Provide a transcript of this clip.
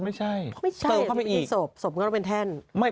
ไม่ใช่